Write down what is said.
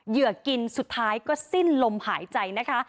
เหยื่อกินสุดท้ายก็สิ้นลมหายใจนะคะ